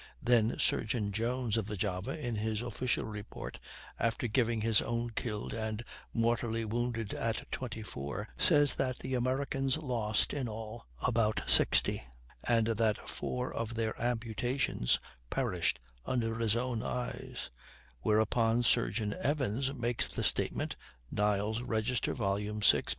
Then Surgeon Jones of the Java, in his official report, after giving his own killed and mortally wounded at 24, says that the Americans lost in all about 60, and that 4 of their amputations perished under his own eyes; whereupon Surgeon Evans makes the statement (Niles' Register, vi, p.